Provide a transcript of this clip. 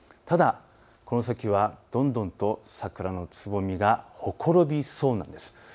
ただ、この先は、どんどんと桜のつぼみが、ほころびそうなんです。